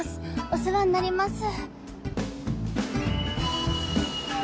お世話になります。